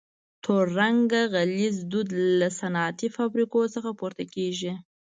تور رنګه غلیظ دود له صنعتي فابریکو څخه پورته کیږي.